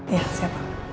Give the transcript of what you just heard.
iya siap pak